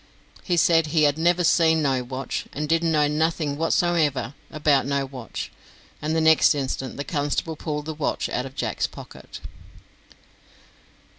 He said he "had never seen no watch, and didn't know nothing whatsomever about no watch," and the next instant the constable pulled the watch out of Jack's pocket.